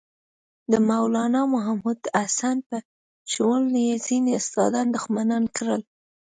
د مولنا محمودالحسن په شمول یې ځینې استادان دښمنان کړل.